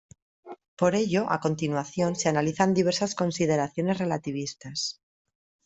Por ello a continuación se analizan diversas consideraciones relativistas.